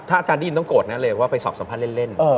อาจารย์ได้ยินต้องโกรธนะเลยว่าไปสอบสัมภาษณ์เล่น